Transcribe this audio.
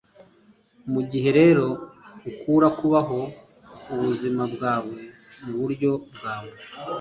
mugihe rero ukura kubaho ubuzima bwawe muburyo bwawe